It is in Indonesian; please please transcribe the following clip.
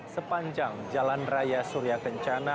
sepanjang jalan raya surya kencana